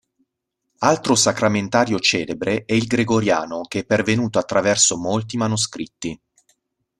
Altro sacramentario celebre è il "gregoriano", che è pervenuto attraverso molti manoscritti.